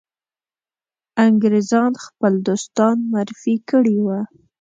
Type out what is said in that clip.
انګرېزان خپل دوستان معرفي کړي وه.